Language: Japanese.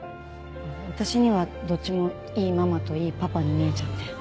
私にはどっちもいいママといいパパに見えちゃって。